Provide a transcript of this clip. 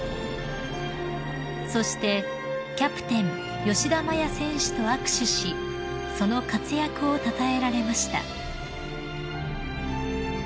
［そしてキャプテン吉田麻也選手と握手しその活躍をたたえられました］